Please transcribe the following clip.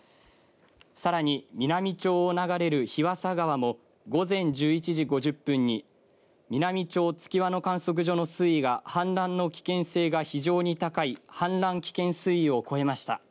さらに美波町を流れる日和佐川も午前１１時５０分に美波町月輪の観測所の水位が氾濫の危険性が非常に高い氾濫危険水位を超えました。